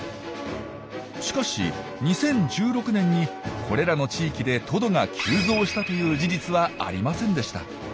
しかし２０１６年にこれらの地域でトドが急増したという事実はありませんでした。